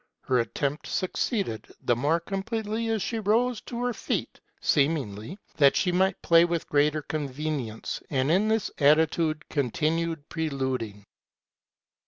Her attempt succeeded ; the more completely as she rose to her feet, seemingly that she might play with greater convenience, and in this attitude continued preluding.